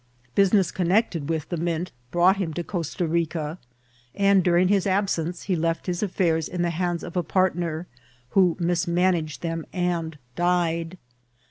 Business connected with the mint brought him to CostE RicE, End during his sbsence he left his sf fEirs in the hsnds of e psrtner, who mismEUEged them End died.